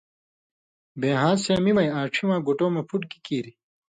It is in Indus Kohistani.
بے ہان٘س سِیں می وَیں آن٘ڇھی واں گُٹؤں مہ پُھٹ گی کیریۡ